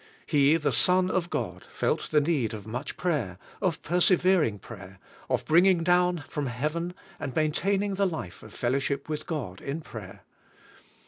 He, the Son of God, felt the need of much prayer, of persevering prayer, of bringing down from heaven and maintaining the life of fel lowship with God in prayer.